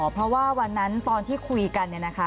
เพราะว่าวันนั้นตอนที่คุยกันเนี่ยนะคะ